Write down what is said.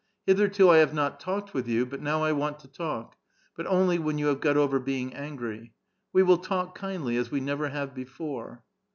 Hitherto I have m)i talked with you, but now 1 want to talk ; but only when you have got over being angry. We will talk kindly, as we never have before."